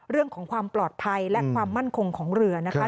เรื่องของความปลอดภัยและความมั่นคงของเรือนะคะ